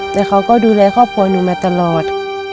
แต่เขาก็ดูแลครอบครัวหนูมาตลอด